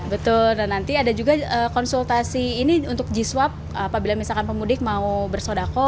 betul dan nanti ada juga konsultasi ini untuk j swab apabila misalkan pemudik mau bersodako